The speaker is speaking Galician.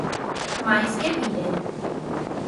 Mais, que piden?